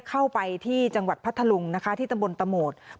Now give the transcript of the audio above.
เข้าไปที่จังหวัดพัทธลุงนะคะที่ตำบลตะโหมด